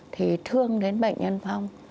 thì thương đến bệnh nhân phong